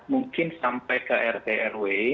mungkin sampai ke rtrw